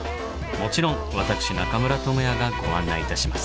もちろん私中村倫也がご案内いたします。